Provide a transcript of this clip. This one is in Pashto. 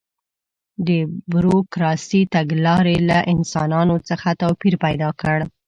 د بروکراسي تګلارې له انسانانو څخه توپیر پیدا کړ.